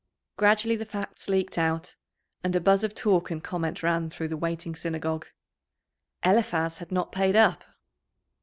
Gradually the facts leaked out, and a buzz of talk and comment ran through the waiting Synagogue. Eliphaz had not paid up!